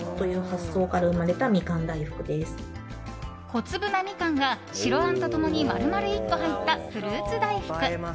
小粒なミカンが白あんと共に丸々１個入ったフルーツ大福。